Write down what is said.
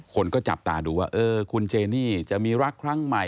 คนก็จับตาดูว่าเออคุณเจนี่จะมีรักครั้งใหม่